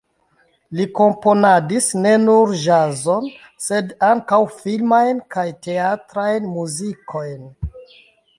Li komponadis ne nur ĵazon, sed ankaŭ filmajn kaj teatrajn muzikojn.